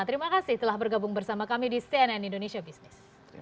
terima kasih telah bergabung bersama kami di cnn indonesia business